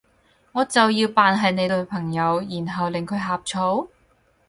我就要扮係你女朋友，然後令佢呷醋？